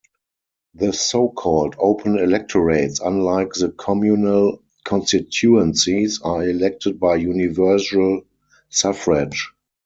The so-called "Open electorates", unlike the "communal constituencies", are elected by universal suffrage.